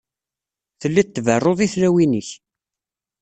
Telliḍ tberruḍ i tlawin-ik.